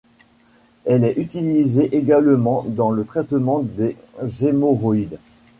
Elle est utilisée également dans le traitement des hémorroïdes.